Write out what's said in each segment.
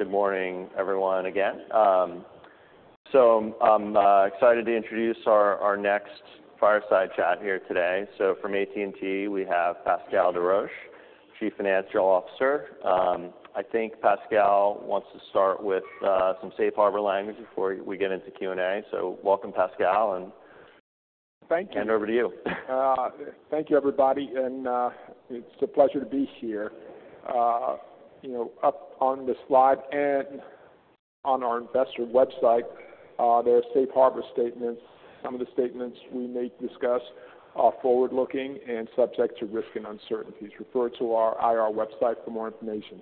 Good morning, everyone, again. I'm excited to introduce our next fireside chat here today. From AT&T, we have Pascal Desroches, Chief Financial Officer. I think Pascal wants to start with some safe harbor language before we get into Q&A. Welcome, Pascal. Thank you. Hand over to you. Thank you, everybody. It's a pleasure to be here. You know, up on the slide and on our investor website, there are safe harbor statements. Some of the statements we may discuss are forward-looking and subject to risk and uncertainties. Refer to our IR website for more information.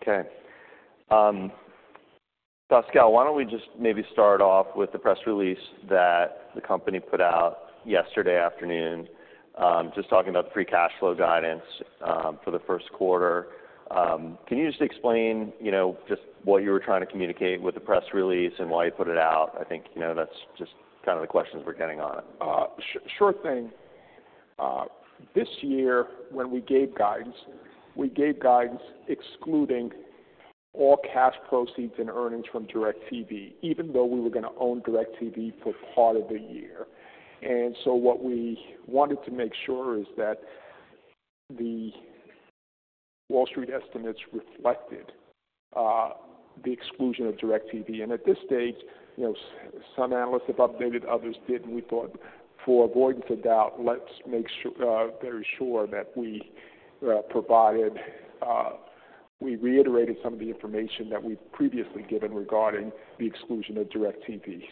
Okay. Pascal, why don't we just maybe start off with the press release that the company put out yesterday afternoon, just talking about the free cash flow guidance for the first quarter. Can you just explain, you know, just what you were trying to communicate with the press release and why you put it out? I think, you know, that's just kind of the questions we're getting on it. Short thing. This year, when we gave guidance, we gave guidance excluding all cash proceeds and earnings from DirecTV, even though we were gonna own DirecTV for part of the year. What we wanted to make sure is that the Wall Street estimates reflected the exclusion of DirecTV. At this stage, you know, some analysts have updated, others didn't. We thought, for avoidance of doubt, let's make sure, very sure that we provided, we reiterated some of the information that we've previously given regarding the exclusion of DirecTV.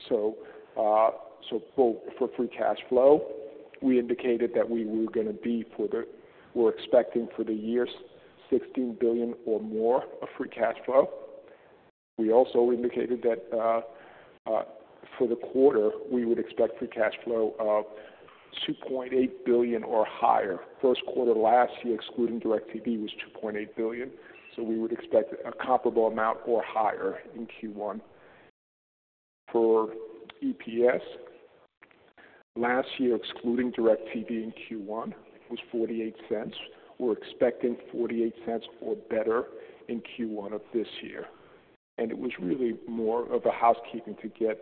For free cash flow, we indicated that we were gonna be for the, we're expecting for the year's $16 billion or more of free cash flow. We also indicated that, for the quarter, we would expect free cash flow of $2.8 billion or higher. First quarter last year, excluding DirecTV, was $2.8 billion. We would expect a comparable amount or higher in Q1. For EPS, last year, excluding DirecTV in Q1, was $0.48. We're expecting $0.48 or better in Q1 of this year. It was really more of a housekeeping to get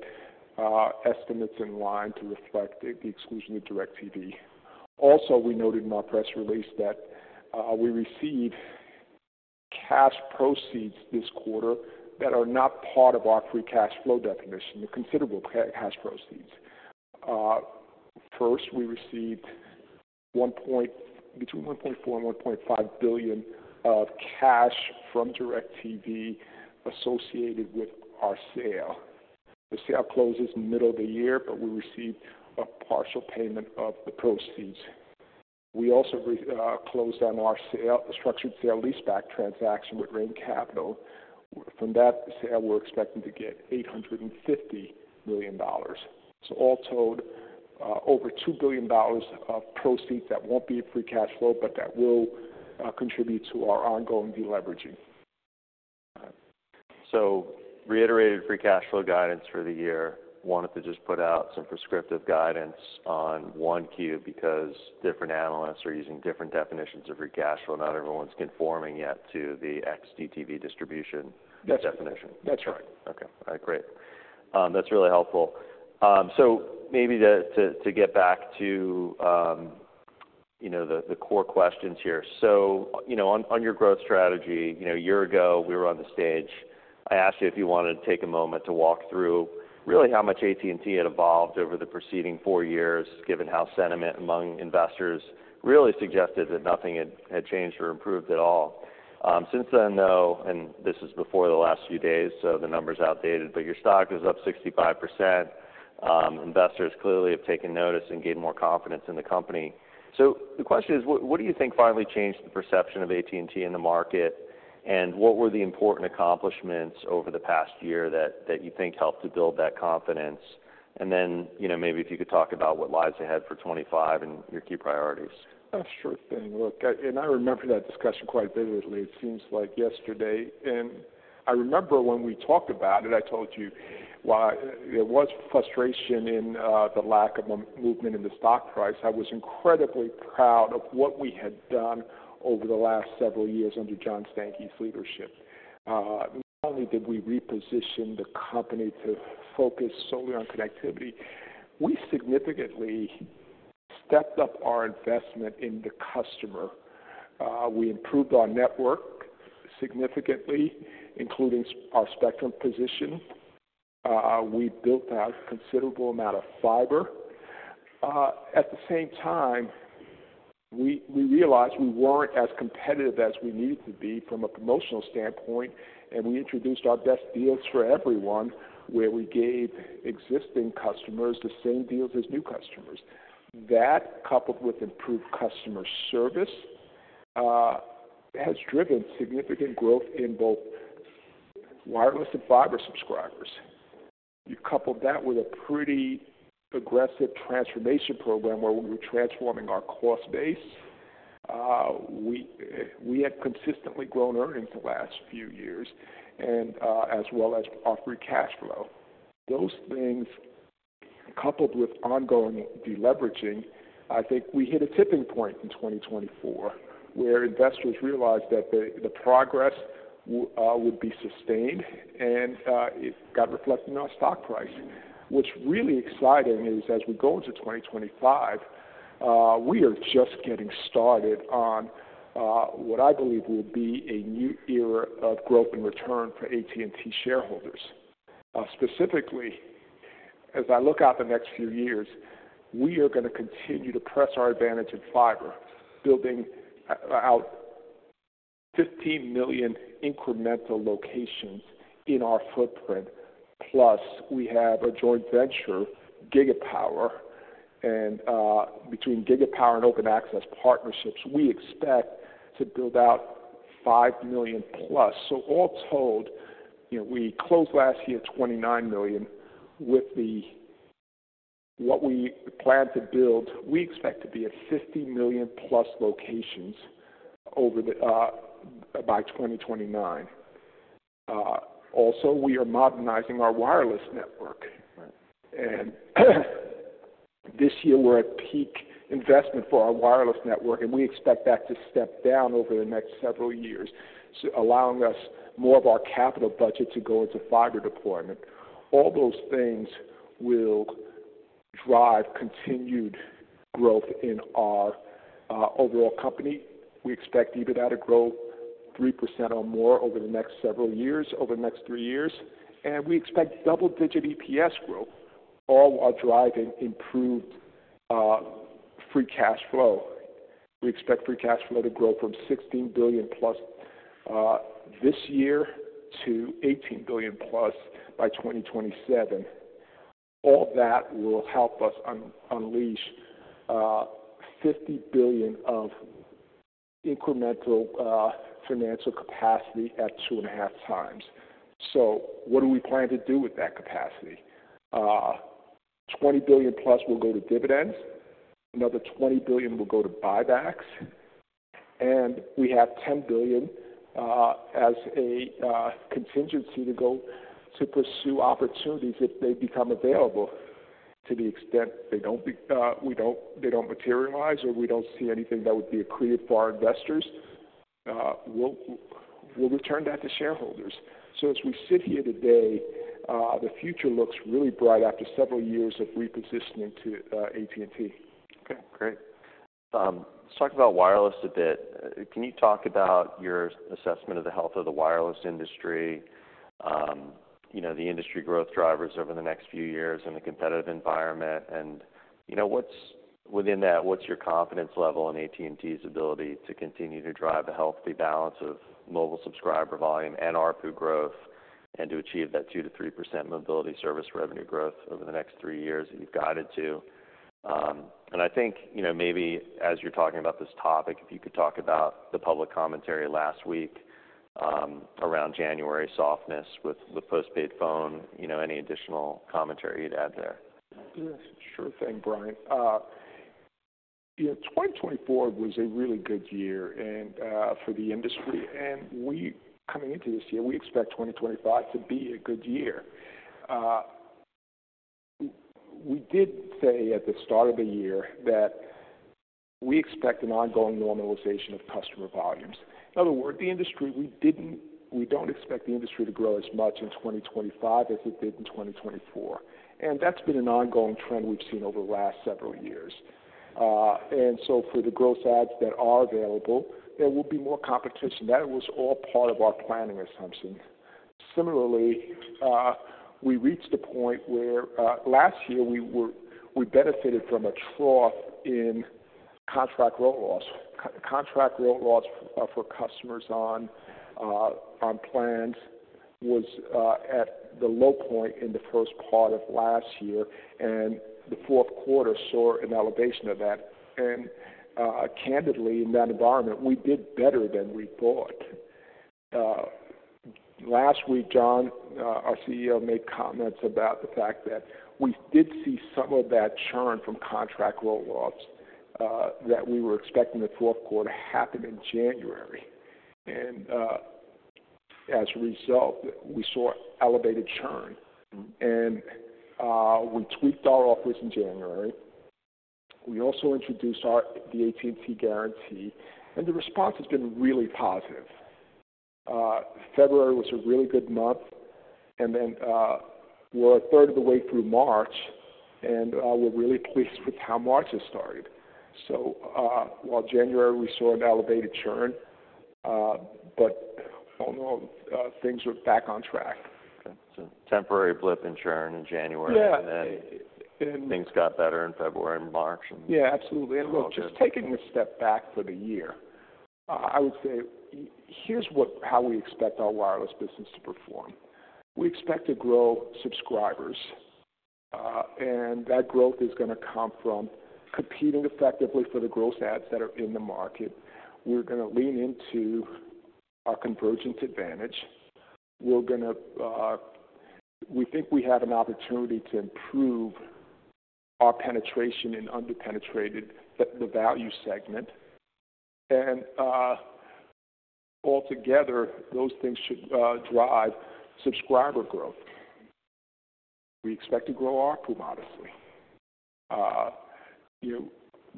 estimates in line to reflect the exclusion of DirecTV. Also, we noted in our press release that we received cash proceeds this quarter that are not part of our free cash flow definition, considerable cash proceeds. First, we received between $1.4 billion-$1.5 billion of cash from DirecTV associated with our sale. The sale closes middle of the year, but we received a partial payment of the proceeds. We also closed on our structured sale-leaseback transaction with Reign Capital. From that sale, we're expecting to get $850 million. All told, over $2 billion of proceeds that will not be free cash flow, but that will contribute to our ongoing deleveraging. All right. Reiterated free cash flow guidance for the year. Wanted to just put out some prescriptive guidance on Q1 because different analysts are using different definitions of free cash flow. Not everyone's conforming yet to the XDTV distribution. That's. Definition. That's right. Okay. All right. Great. That's really helpful. Maybe to get back to, you know, the core questions here. On your growth strategy, you know, a year ago, we were on the stage. I asked you if you wanted to take a moment to walk through really how much AT&T had evolved over the preceding four years, given how sentiment among investors really suggested that nothing had changed or improved at all. Since then, though, and this is before the last few days, so the number's outdated, but your stock is up 65%. Investors clearly have taken notice and gained more confidence in the company. The question is, what do you think finally changed the perception of AT&T in the market? What were the important accomplishments over the past year that you think helped to build that confidence? You know, maybe if you could talk about what lies ahead for 2025 and your key priorities. That's a short thing. Look, I remember that discussion quite vividly. It seems like yesterday. I remember when we talked about it, I told you why there was frustration in the lack of movement in the stock price. I was incredibly proud of what we had done over the last several years under John Stankey's leadership. Not only did we reposition the company to focus solely on connectivity, we significantly stepped up our investment in the customer. We improved our network significantly, including our spectrum position. We built out a considerable amount of fiber. At the same time, we realized we weren't as competitive as we needed to be from a promotional standpoint, and we introduced our Best Deals for Everyone where we gave existing customers the same deals as new customers. That, coupled with improved customer service, has driven significant growth in both wireless and fiber subscribers. You couple that with a pretty aggressive transformation program where we were transforming our cost base, we had consistently grown earnings the last few years, and, as well as our free cash flow. Those things, coupled with ongoing deleveraging, I think we hit a tipping point in 2024 where investors realized that the progress would be sustained, and it got reflected in our stock price. What's really exciting is, as we go into 2025, we are just getting started on what I believe will be a new era of growth and return for AT&T shareholders. Specifically, as I look out the next few years, we are gonna continue to press our advantage in fiber, building out 15 million incremental locations in our footprint. Plus, we have a joint venture, Gigapower, and, between Gigapower and Open Access Partnerships, we expect to build out 5 million plus. All told, you know, we closed last year at 29 million with what we plan to build. We expect to be at 50 million plus locations over the, by 2029. Also, we are modernizing our wireless network. Right. This year, we're at peak investment for our wireless network, and we expect that to step down over the next several years, allowing us more of our capital budget to go into fiber deployment. All those things will drive continued growth in our overall company. We expect EBITDA to grow 3% or more over the next several years, over the next three years. We expect double-digit EPS growth, all while driving improved free cash flow. We expect free cash flow to grow from $16 billion plus this year to $18 billion plus by 2027. All that will help us unleash $50 billion of incremental financial capacity at two and a half times. What do we plan to do with that capacity? $20 billion plus will go to dividends. Another $20 billion will go to buybacks. We have $10 billion as a contingency to go to pursue opportunities if they become available. To the extent they do not, we do not, they do not materialize, or we do not see anything that would be accretive for our investors, we will return that to shareholders. As we sit here today, the future looks really bright after several years of repositioning to AT&T. Okay. Great. Let's talk about wireless a bit. Can you talk about your assessment of the health of the wireless industry, you know, the industry growth drivers over the next few years in the competitive environment? You know, what's within that, what's your confidence level in AT&T's ability to continue to drive a healthy balance of mobile subscriber volume and ARPU growth and to achieve that 2-3% mobility service revenue growth over the next three years that you've guided to? I think, you know, maybe as you're talking about this topic, if you could talk about the public commentary last week, around January softness with, with postpaid phone, you know, any additional commentary you'd add there? Yeah. Sure thing, Brian. You know, 2024 was a really good year, and for the industry. And we coming into this year, we expect 2025 to be a good year. We did say at the start of the year that we expect an ongoing normalization of customer volumes. In other words, the industry, we didn't, we don't expect the industry to grow as much in 2025 as it did in 2024. And that's been an ongoing trend we've seen over the last several years. And so for the gross ads that are available, there will be more competition. That was all part of our planning assumption. Similarly, we reached a point where, last year, we were, we benefited from a trough in contract roll-offs. contract roll-offs, for customers on, on plans was at the low point in the first part of last year, and the fourth quarter saw an elevation of that. Candidly, in that environment, we did better than we thought. Last week, John, our CEO, made comments about the fact that we did see some of that churn from contract roll-offs, that we were expecting the fourth quarter to happen in January. As a result, we saw elevated churn. Mm-hmm. We tweaked our offers in January. We also introduced the AT&T Guarantee, and the response has been really positive. February was a really good month, and we're a third of the way through March, and we're really pleased with how March has started. While January, we saw an elevated churn, but all in all, things are back on track. Okay. Temporary blip in churn in January. Yeah. And then. And, and. Things got better in February and March. Yeah. Absolutely. So. Look, just taking a step back for the year, I would say here's how we expect our wireless business to perform. We expect to grow subscribers, and that growth is gonna come from competing effectively for the gross ads that are in the market. We're gonna lean into our convergence advantage. We think we have an opportunity to improve our penetration in underpenetrated, the value segment. Altogether, those things should drive subscriber growth. We expect to grow ARPU modestly. You know,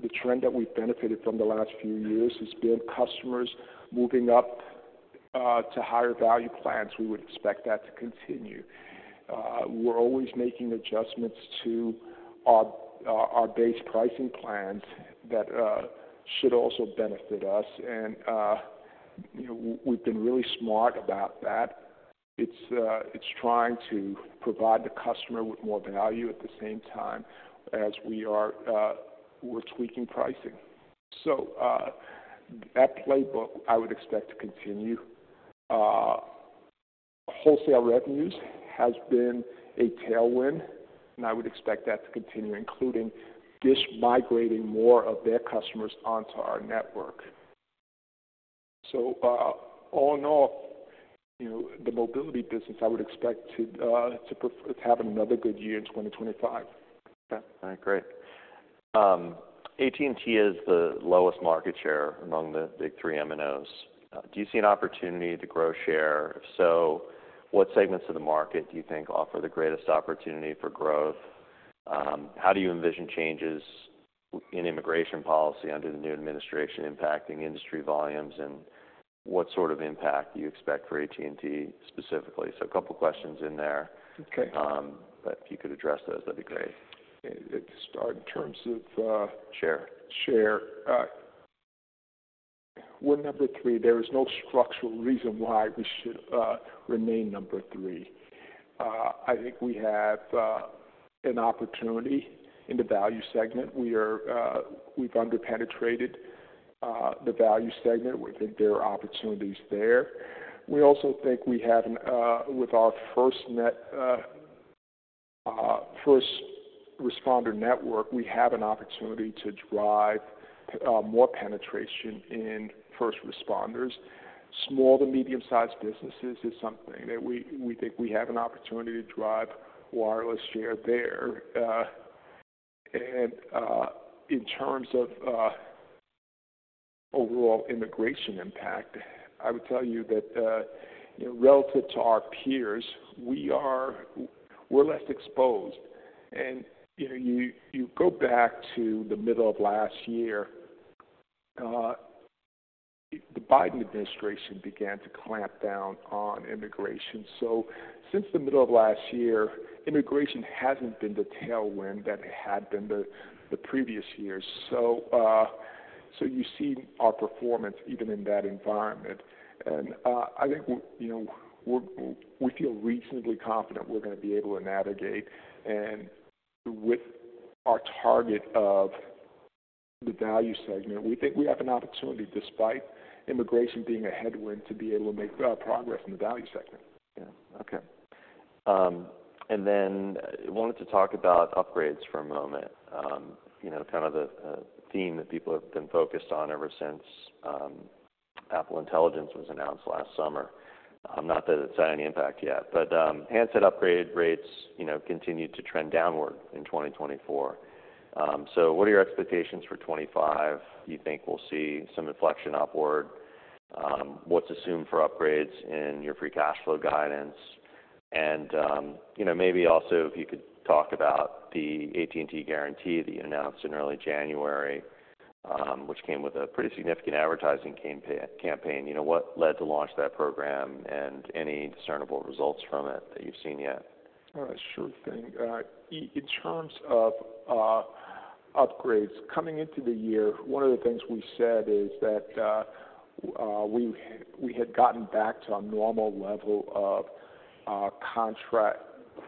the trend that we've benefited from the last few years has been customers moving up to higher value plans. We would expect that to continue. We're always making adjustments to our base pricing plans that should also benefit us. You know, we've been really smart about that. It's trying to provide the customer with more value at the same time as we are tweaking pricing. That playbook, I would expect to continue. Wholesale revenues has been a tailwind, and I would expect that to continue, including just migrating more of their customers onto our network. All in all, you know, the mobility business, I would expect to have another good year in 2025. Okay. All right. Great. AT&T is the lowest market share among the big three MNOs. Do you see an opportunity to grow share? If so, what segments of the market do you think offer the greatest opportunity for growth? How do you envision changes in immigration policy under the new administration impacting industry volumes, and what sort of impact do you expect for AT&T specifically? A couple of questions in there. Okay. If you could address those, that'd be great. It's our terms of, Share. Share. We're number three. There is no structural reason why we should remain number three. I think we have an opportunity in the value segment. We've underpenetrated the value segment. We think there are opportunities there. We also think we have an, with our FirstNet first responder network, we have an opportunity to drive more penetration in first responders. Small to medium-sized businesses is something that we think we have an opportunity to drive wireless share there. In terms of overall immigration impact, I would tell you that, you know, relative to our peers, we're less exposed. You know, you go back to the middle of last year, the Biden administration began to clamp down on immigration. Since the middle of last year, immigration hasn't been the tailwind that it had been the previous years. You see our performance even in that environment. I think we're, you know, we feel reasonably confident we're gonna be able to navigate. With our target of the value segment, we think we have an opportunity, despite immigration being a headwind, to be able to make progress in the value segment. Yeah. Okay. And then I wanted to talk about upgrades for a moment. You know, kind of the theme that people have been focused on ever since Apple Intelligence was announced last summer. Not that it's had any impact yet, but handset upgrade rates, you know, continued to trend downward in 2024. So what are your expectations for 2025? Do you think we'll see some inflection upward? What's assumed for upgrades in your free cash flow guidance? You know, maybe also if you could talk about the AT&T Guarantee that you announced in early January, which came with a pretty significant advertising campaign. You know, what led to launch that program and any discernible results from it that you've seen yet? All right. Sure thing. In terms of upgrades coming into the year, one of the things we said is that we had gotten back to a normal level of contract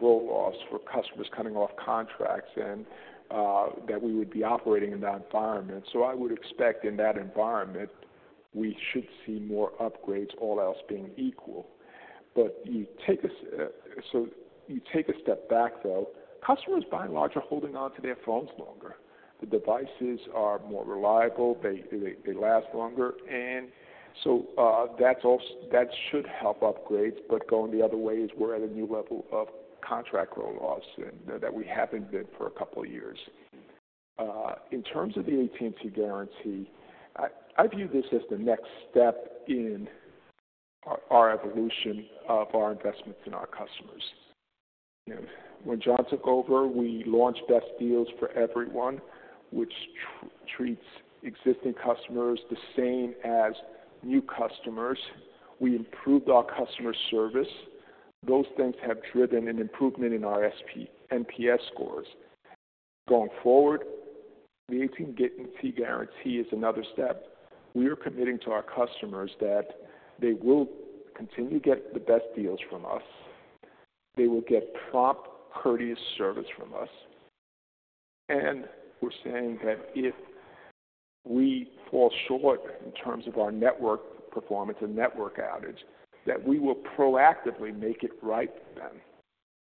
roll-offs for customers coming off contracts and that we would be operating in that environment. I would expect in that environment, we should see more upgrades, all else being equal. You take a step back, though, customers by and large are holding on to their phones longer. The devices are more reliable. They last longer. That should help upgrades. Going the other way is we're at a new level of contract roll-offs that we haven't been for a couple of years. Mm-hmm. In terms of the AT&T Guarantee, I view this as the next step in our evolution of our investments in our customers. You know, when John took over, we launched Best Deals for Everyone, which treats existing customers the same as new customers. We improved our customer service. Those things have driven an improvement in our SP NPS scores. Going forward, the AT&T Guarantee is another step. We are committing to our customers that they will continue to get the best deals from us. They will get prompt, courteous service from us. We are saying that if we fall short in terms of our network performance and network outage, we will proactively make it right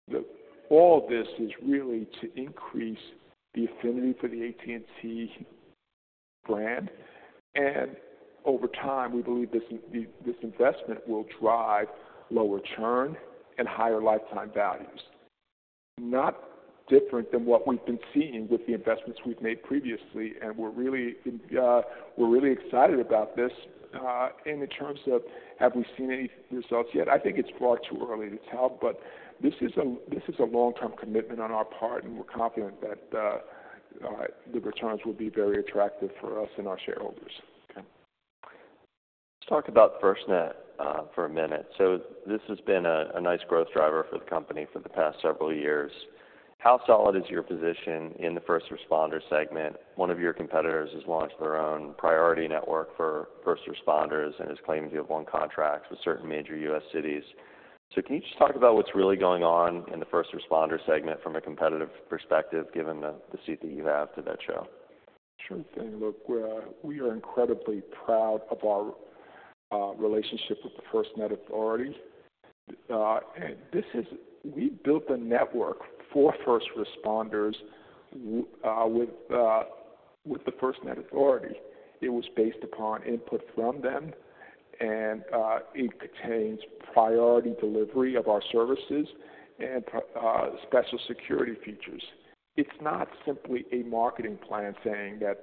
then. All of this is really to increase the affinity for the AT&T brand. Over time, we believe this investment will drive lower churn and higher lifetime values, not different than what we've been seeing with the investments we've made previously. We're really in, we're really excited about this. In terms of have we seen any results yet? I think it's far too early to tell, but this is a long-term commitment on our part, and we're confident that the returns will be very attractive for us and our shareholders. Okay. Let's talk about FirstNet for a minute. This has been a nice growth driver for the company for the past several years. How solid is your position in the first responder segment? One of your competitors has launched their own priority network for first responders and is claiming to have won contracts with certain major U.S. cities. Can you just talk about what's really going on in the first responder segment from a competitive perspective, given the seat that you have to that show? Sure thing. Look, we are incredibly proud of our relationship with the FirstNet Authority. This is, we built a network for first responders with the FirstNet Authority. It was based upon input from them, and it contains priority delivery of our services and special security features. It's not simply a marketing plan saying that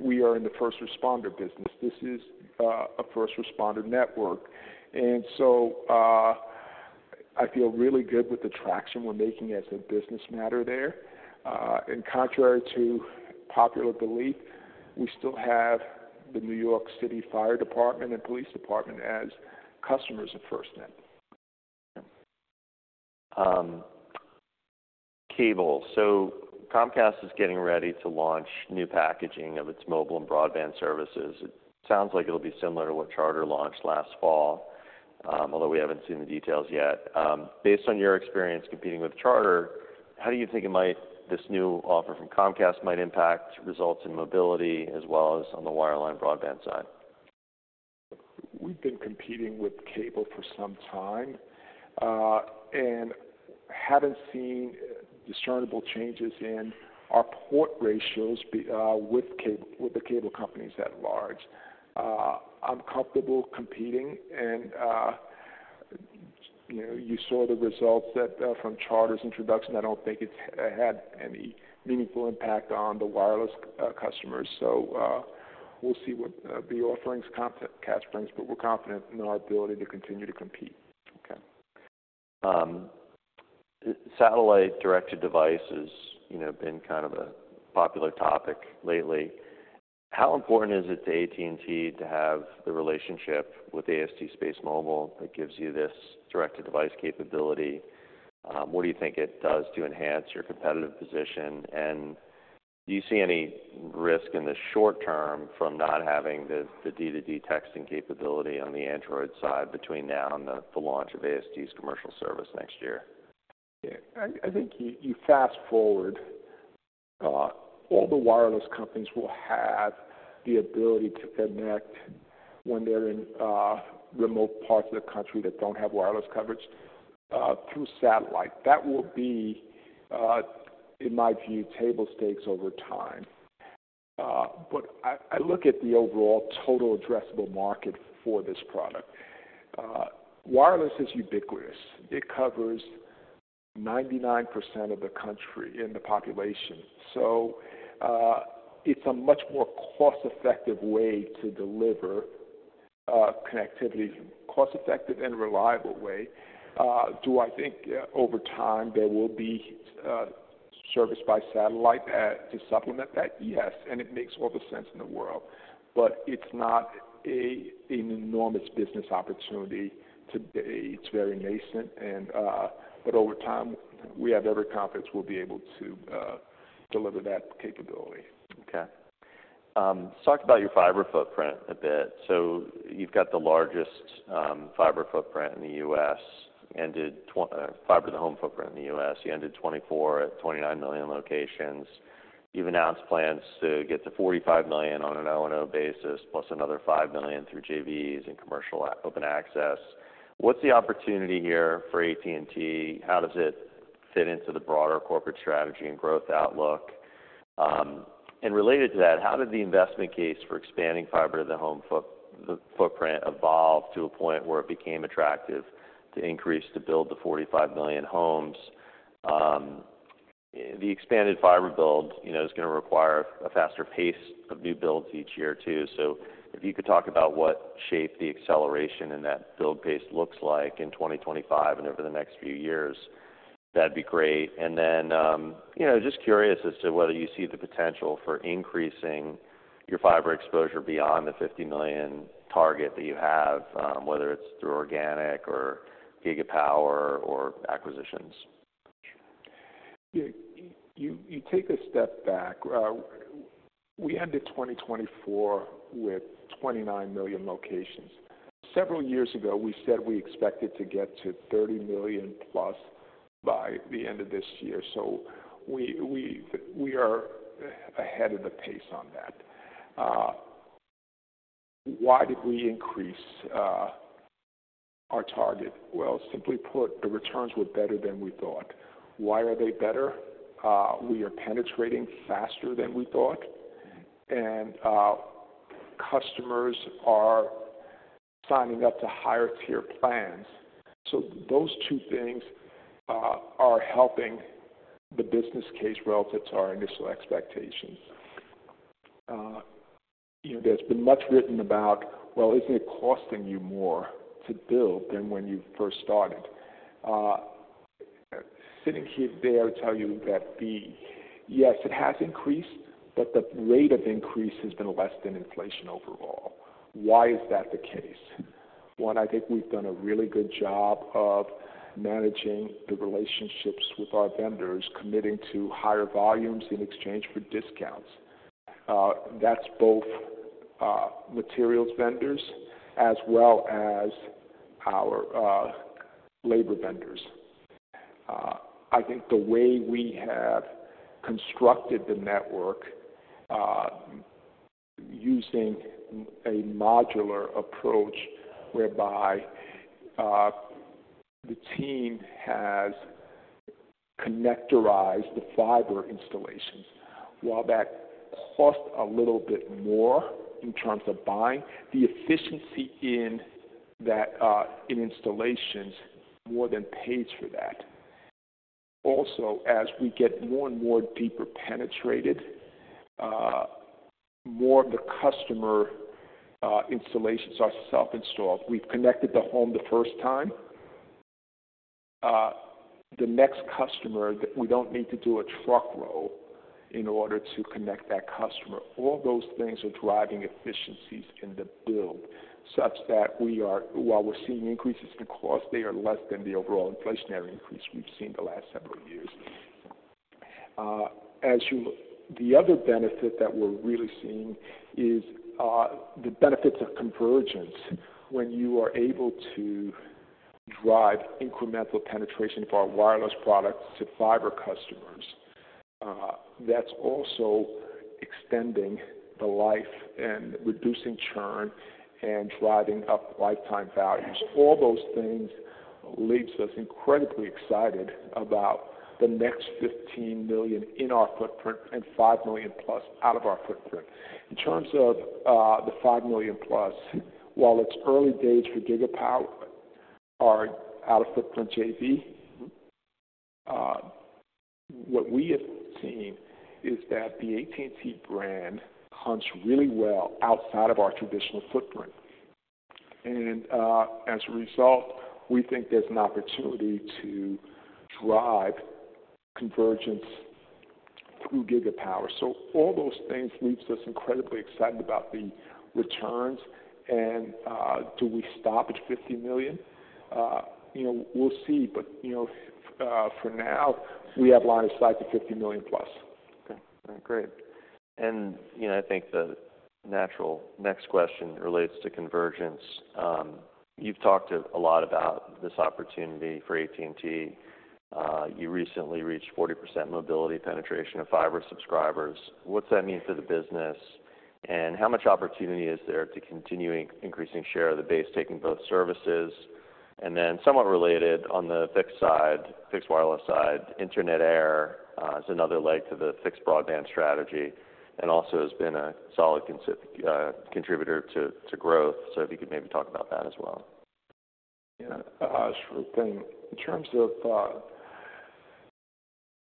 we are in the first responder business. This is a first responder network. I feel really good with the traction we're making as a business matter there. In contrary to popular belief, we still have the New York City Fire Department and Police Department as customers of FirstNet. Okay. Cable. Comcast is getting ready to launch new packaging of its mobile and broadband services. It sounds like it will be similar to what Charter launched last fall, although we have not seen the details yet. Based on your experience competing with Charter, how do you think it might, this new offer from Comcast might impact results in mobility as well as on the wireline broadband side? We've been competing with cable for some time, and haven't seen discernible changes in our port ratios with the cable companies at large. I'm comfortable competing, and, you know, you saw the results that, from Charter's introduction. I don't think it's had any meaningful impact on the wireless customers. We'll see what the offerings Comcast brings, but we're confident in our ability to continue to compete. Okay. Satellite Direct-to-Device has, you know, been kind of a popular topic lately. How important is it to AT&T to have the relationship with AST SpaceMobile that gives you this Direct-to-Device capability? What do you think it does to enhance your competitive position? Do you see any risk in the short term from not having the D-to-D texting capability on the Android side between now and the launch of AST's commercial service next year? Yeah. I think you fast-forward, all the wireless companies will have the ability to connect when they're in remote parts of the country that don't have wireless coverage, through satellite. That will be, in my view, table stakes over time. I look at the overall total addressable market for this product. Wireless is ubiquitous. It covers 99% of the country and the population. It's a much more cost-effective way to deliver connectivity in a cost-effective and reliable way. Do I think, over time, there will be service by satellite to supplement that? Yes. It makes all the sense in the world. It's not an enormous business opportunity today. It's very nascent. Over time, we have every confidence we'll be able to deliver that capability. Okay. Let's talk about your fiber footprint a bit. You've got the largest fiber footprint in the U.S., ended 2020 fiber-to-home footprint in the U.S. You ended 2024 at 29 million locations. You've announced plans to get to 45 million on an O&O basis, plus another 5 million through JVs and commercial open access. What's the opportunity here for AT&T? How does it fit into the broader corporate strategy and growth outlook? Related to that, how did the investment case for expanding fiber-to-the-home footprint evolve to a point where it became attractive to increase to build the 45 million homes? The expanded fiber build, you know, is going to require a faster pace of new builds each year too. If you could talk about what shape the acceleration in that build pace looks like in 2025 and over the next few years, that'd be great. You know, just curious as to whether you see the potential for increasing your fiber exposure beyond the 50 million target that you have, whether it's through organic or Gigapower or acquisitions. Yeah. You take a step back. We ended 2024 with 29 million locations. Several years ago, we said we expected to get to 30 million plus by the end of this year. We are ahead of the pace on that. Why did we increase our target? Simply put, the returns were better than we thought. Why are they better? We are penetrating faster than we thought, and customers are signing up to higher-tier plans. Those two things are helping the business case relative to our initial expectations. You know, there's been much written about, well, isn't it costing you more to build than when you first started? Sitting here, dare I tell you that yes, it has increased, but the rate of increase has been less than inflation overall. Why is that the case? One, I think we've done a really good job of managing the relationships with our vendors, committing to higher volumes in exchange for discounts. That's both materials vendors as well as our labor vendors. I think the way we have constructed the network, using a modular approach whereby the team has connectorized the fiber installations, while that cost a little bit more in terms of buying, the efficiency in that, in installations more than pays for that. Also, as we get more and more deeper penetrated, more of the customer installations are self-installed. We've connected the home the first time. The next customer that we don't need to do a truck row in order to connect that customer. All those things are driving efficiencies in the build such that we are, while we're seeing increases in cost, they are less than the overall inflationary increase we've seen the last several years. The other benefit that we're really seeing is the benefits of convergence when you are able to drive incremental penetration for our wireless products to fiber customers. That's also extending the life and reducing churn and driving up lifetime values. All those things leave us incredibly excited about the next 15 million in our footprint and 5 million plus out of our footprint. In terms of the 5 million plus, while it's early days for Gigapower or out-of-footprint JV, what we have seen is that the AT&T brand hunts really well outside of our traditional footprint. As a result, we think there's an opportunity to drive convergence through Gigapower. All those things leave us incredibly excited about the returns. Do we stop at 50 million? You know, we'll see. But, you know, for now, we have lines tied to 50 million plus. Okay. All right. Great. You know, I think the natural next question relates to convergence. You've talked a lot about this opportunity for AT&T. You recently reached 40% mobility penetration of fiber subscribers. What's that mean for the business? How much opportunity is there to continue increasing share of the base taking both services? Somewhat related on the fixed side, fixed wireless side, Internet Air is another leg to the fixed broadband strategy and also has been a solid contributor to growth. If you could maybe talk about that as well. Yeah, sure thing. In terms of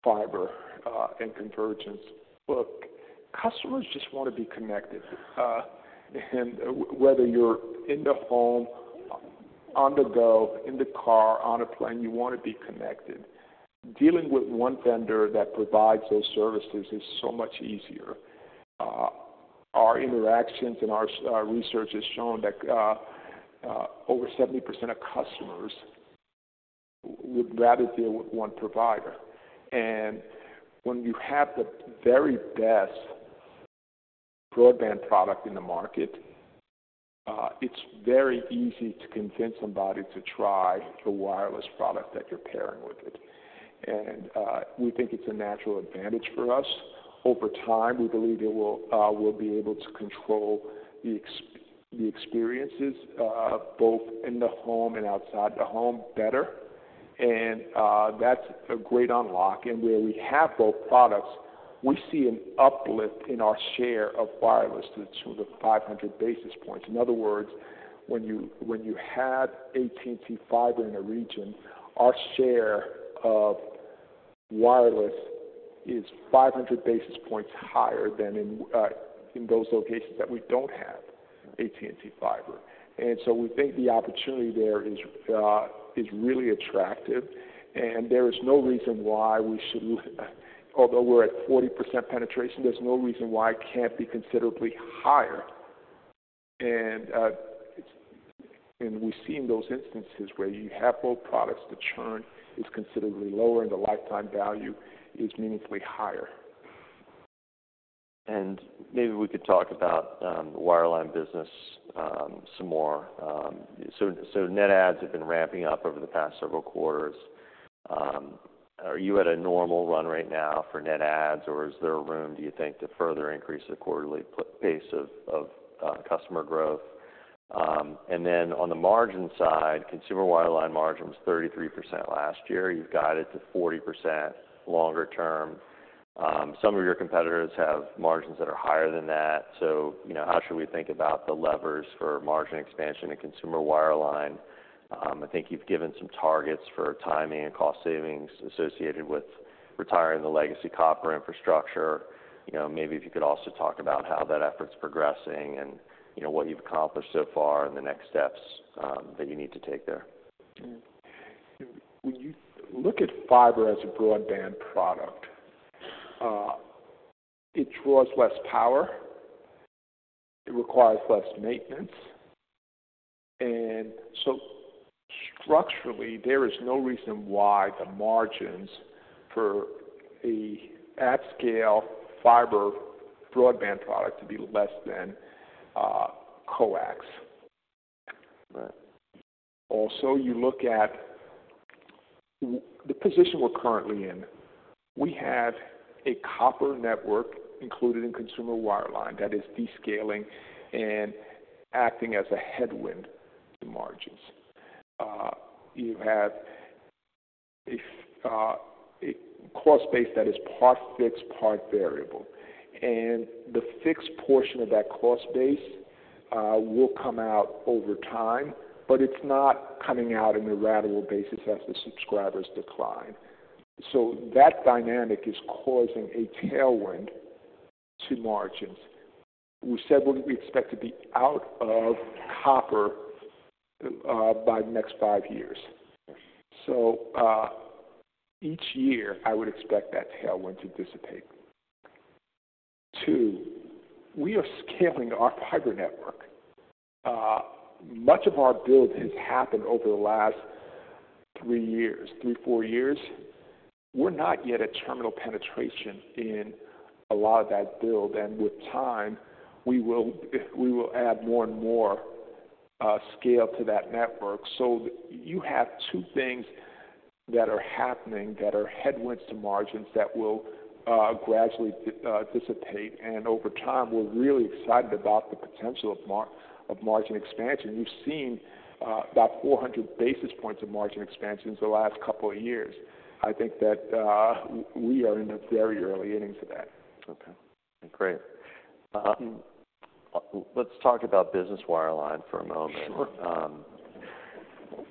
fiber and convergence, look, customers just want to be connected. Whether you're in the home, on the go, in the car, on a plane, you want to be connected. Dealing with one vendor that provides those services is so much easier. Our interactions and our research has shown that over 70% of customers would rather deal with one provider. When you have the very best broadband product in the market, it's very easy to convince somebody to try the wireless product that you're pairing with it. We think it's a natural advantage for us. Over time, we believe we will be able to control the experiences, both in the home and outside the home better. That's a great unlock. Where we have both products, we see an uplift in our share of wireless to sort of 500 basis points. In other words, when you have AT&T fiber in a region, our share of wireless is 500 basis points higher than in those locations that we do not have AT&T fiber. We think the opportunity there is really attractive. There is no reason why, although we are at 40% penetration, it cannot be considerably higher. We have seen those instances where you have both products, the churn is considerably lower, and the lifetime value is meaningfully higher. Maybe we could talk about the wireline business some more. Net adds have been ramping up over the past several quarters. Are you at a normal run right now for net adds, or is there room, do you think, to further increase the quarterly pace of customer growth? On the margin side, consumer wireline margin was 33% last year. You've guided to 40% longer term. Some of your competitors have margins that are higher than that. You know, how should we think about the levers for margin expansion in consumer wireline? I think you've given some targets for timing and cost savings associated with retiring the legacy copper infrastructure. You know, maybe if you could also talk about how that effort's progressing and what you've accomplished so far and the next steps that you need to take there. Yeah. When you look at fiber as a broadband product, it draws less power. It requires less maintenance. Structurally, there is no reason why the margins for a at-scale fiber broadband product to be less than coax. Right. Also, you look at the position we're currently in. We have a copper network included in consumer wireline that is descaling and acting as a headwind to margins. You have a cost base that is part fixed, part variable. And the fixed portion of that cost base will come out over time, but it's not coming out on a ratable basis as the subscribers decline. That dynamic is causing a tailwind to margins. We said we expect to be out of copper by the next five years. Each year, I would expect that tailwind to dissipate. Two, we are scaling our fiber network. Much of our build has happened over the last three years, three, four years. We're not yet at terminal penetration in a lot of that build. With time, we will add more and more scale to that network. You have two things that are happening that are headwinds to margins that will, gradually, dissipate. Over time, we're really excited about the potential of margin expansion. You've seen about 400 basis points of margin expansion in the last couple of years. I think that we are in the very early innings of that. Okay. Great. Let's talk about business wireline for a moment. Sure.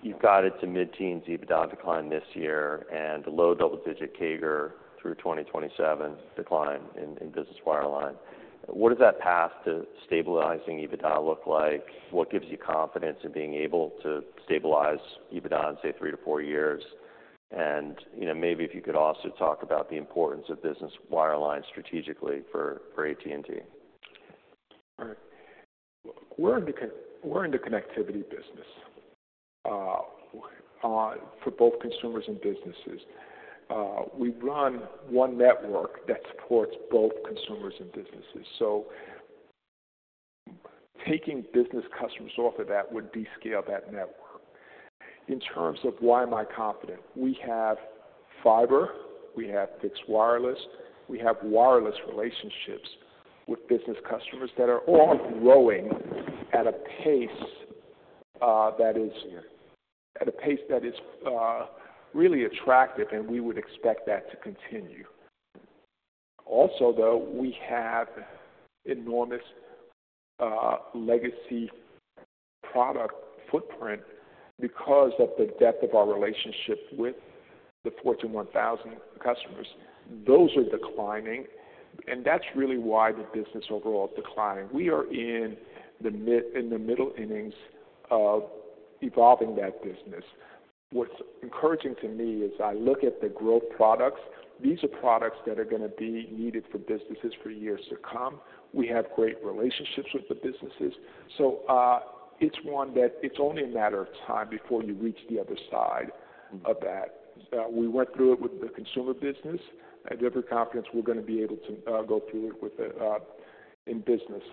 You've guided to mid-teens EBITDA decline this year and low double-digit CAGR through 2027 decline in, in business wireline. What does that path to stabilizing EBITDA look like? What gives you confidence in being able to stabilize EBITDA in, say, three to four years? You know, maybe if you could also talk about the importance of business wireline strategically for, for AT&T. All right. We're in the connectivity business, for both consumers and businesses. We run one network that supports both consumers and businesses. Taking business customers off of that would descale that network. In terms of why am I confident? We have fiber. We have fixed wireless. We have wireless relationships with business customers that are all growing at a pace that is really attractive, and we would expect that to continue. Also, though, we have enormous legacy product footprint because of the depth of our relationship with the Fortune 1000 customers. Those are declining, and that's really why the business overall is declining. We are in the middle innings of evolving that business. What's encouraging to me is I look at the growth products. These are products that are gonna be needed for businesses for years to come. We have great relationships with the businesses. It is one that it's only a matter of time before you reach the other side of that. We went through it with the consumer business. I have every confidence we're gonna be able to go through it with the, in business.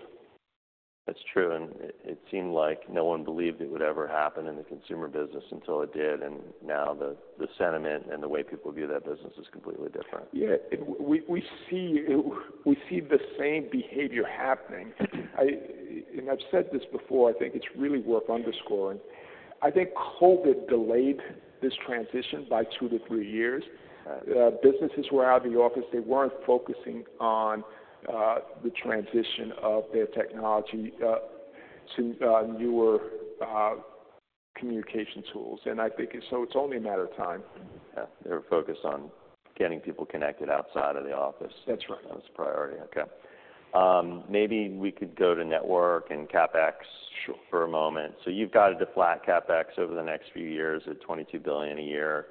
That's true. It seemed like no one believed it would ever happen in the consumer business until it did. Now the sentiment and the way people view that business is completely different. Yeah. We see it. We see the same behavior happening. I've said this before. I think it's really worth underscoring. I think COVID delayed this transition by two to three years. Businesses were out of the office. They weren't focusing on the transition of their technology to newer communication tools. I think it's only a matter of time. Yeah. They were focused on getting people connected outside of the office. That's right. That was a priority. Okay. Maybe we could go to network and CapEx. Sure. For a moment. You've guided to flat CapEx over the next few years at $22 billion a year.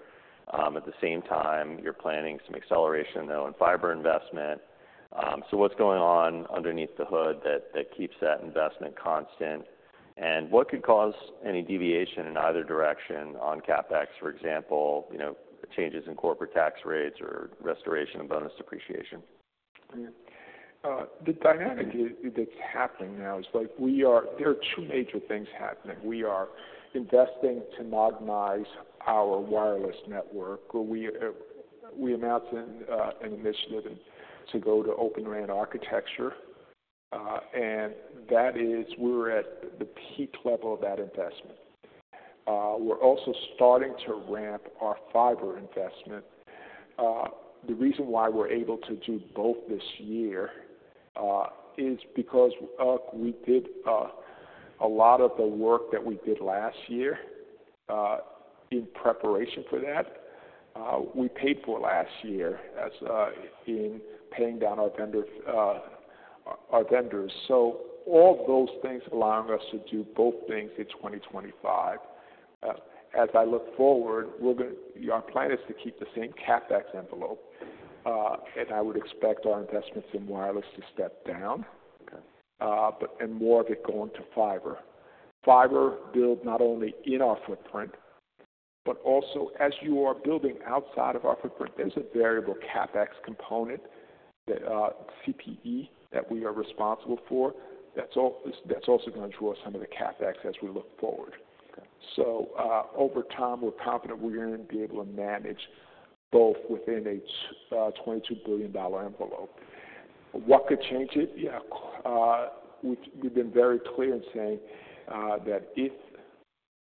At the same time, you're planning some acceleration, though, in fiber investment. What's going on underneath the hood that keeps that investment constant? What could cause any deviation in either direction on CapEx, for example, you know, changes in corporate tax rates or restoration of bonus depreciation? The dynamic that's happening now is, like, we are, there are two major things happening. We are investing to modernize our wireless network, or we, we announced an initiative to go to Open RAN architecture. That is, we're at the peak level of that investment. We're also starting to ramp our fiber investment. The reason why we're able to do both this year is because we did a lot of the work that we did last year in preparation for that. We paid for last year as, in paying down our vendors, our vendors. All those things allowing us to do both things in 2025. As I look forward, we're gonna, our plan is to keep the same CapEx envelope. I would expect our investments in wireless to step down. Okay. More of it going to fiber. Fiber build not only in our footprint, but also as you are building outside of our footprint, there's a variable CapEx component that, CPE that we are responsible for. That's also gonna draw some of the CapEx as we look forward. Okay. Over time, we're confident we're gonna be able to manage both within a $22 billion envelope. What could change it? Yeah, we've been very clear in saying that if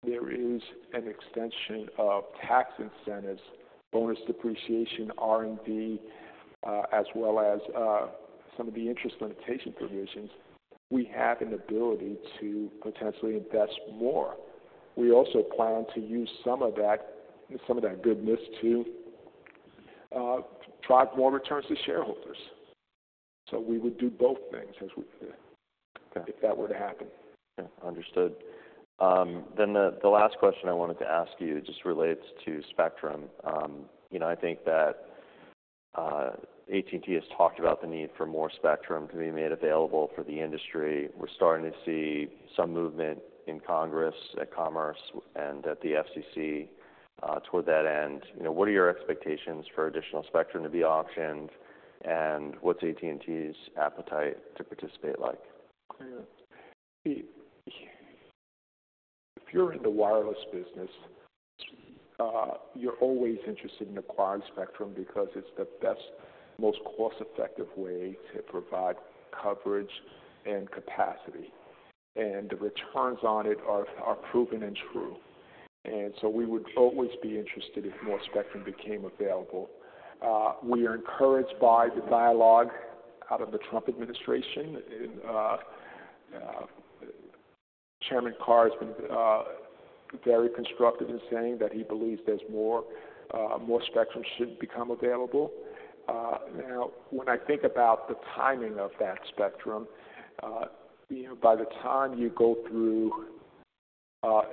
there is an extension of tax incentives, bonus depreciation, R&D, as well as some of the interest limitation provisions, we have an ability to potentially invest more. We also plan to use some of that, some of that goodness to drive more returns to shareholders. We would do both things as we. Okay. If that were to happen. Yeah. Understood. Then the last question I wanted to ask you just relates to spectrum. You know, I think that AT&T has talked about the need for more spectrum to be made available for the industry. We're starting to see some movement in Congress, at Commerce, and at the FCC, toward that end. You know, what are your expectations for additional spectrum to be auctioned? And what's AT&T's appetite to participate like? Yeah. If you're in the wireless business, you're always interested in acquiring spectrum because it's the best, most cost-effective way to provide coverage and capacity. The returns on it are proven and true. We would always be interested if more spectrum became available. We are encouraged by the dialogue out of the Trump administration. Chairman Carr has been very constructive in saying that he believes more spectrum should become available. Now, when I think about the timing of that spectrum, you know, by the time you go through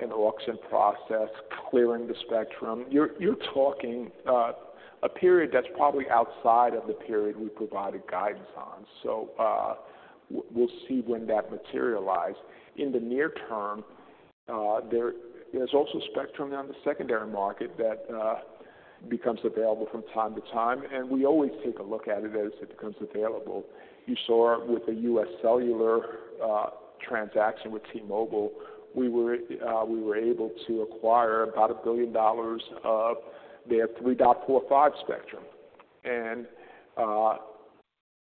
an auction process, clearing the spectrum, you're talking a period that's probably outside of the period we provided guidance on. We'll see when that materializes. In the near term, there is also spectrum on the secondary market that becomes available from time to time. We always take a look at it as it becomes available. You saw with the US Cellular transaction with T-Mobile, we were able to acquire about $1 billion of their 3.45 spectrum.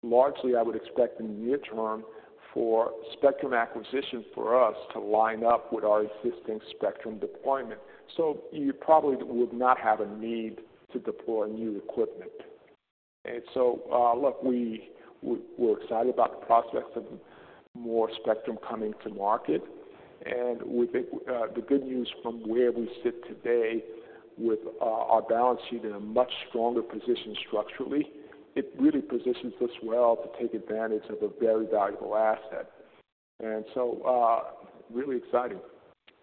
Largely, I would expect in the near term for spectrum acquisition for us to line up with our existing spectrum deployment. You probably would not have a need to deploy new equipment. We are excited about the prospects of more spectrum coming to market. The good news from where we sit today with our balance sheet in a much stronger position structurally, it really positions us well to take advantage of a very valuable asset. It is really exciting.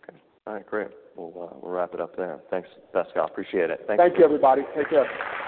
Okay. All right. Great. We'll wrap it up there. Thanks, Pascal. Appreciate it. Thank you. Thank you, everybody. Take care.